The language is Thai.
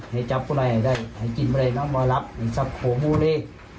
ให้จับคนร้ายให้ได้ให้จินบริกรับมารับให้ซับโขโมเล